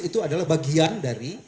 itu adalah bagian dari